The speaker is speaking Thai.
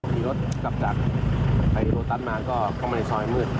มีรถกลับจากไฮโลตัสมาก็เข้ามาในซอยมืด